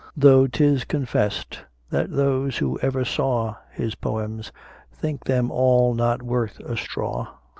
Though 'tis confest, that those who ever saw His poems, think them all not worth a straw!